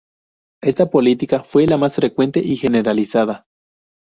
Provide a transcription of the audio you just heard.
Esta política fue la más frecuente y generalizada.